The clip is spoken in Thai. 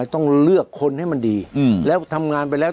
ต้องเลือกคนให้มันดีแล้วทำงานไปแล้ว